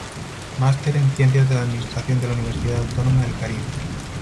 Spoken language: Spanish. Máster en Ciencias de la Administración de la Universidad Autónoma del Caribe.